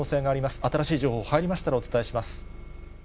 新しい情報入りましたら、お伝えします。